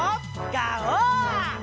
ガオー！